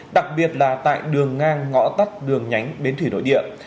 đặc biệt là tại đường ngang ngõ tắt đường nhánh bến thủy nội địa